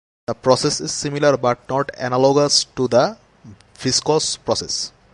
The process is similar but not analogous to the viscose process.